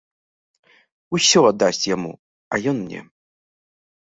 Усё аддасць яму, а ён мне.